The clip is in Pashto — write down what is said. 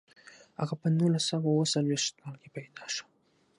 هغه په نولس سوه اووه څلویښت کال کې پیدا شو.